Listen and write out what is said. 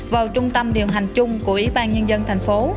vào trung tâm điều hành chung của ủy ban nhân dân thành phố